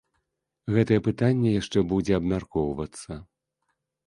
Гэтае пытанне яшчэ будзе абмяркоўвацца.